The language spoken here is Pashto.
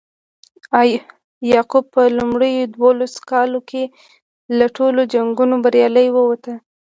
یعقوب په لومړیو دولسو کالو کې له ټولو جنګونو بریالی ووت.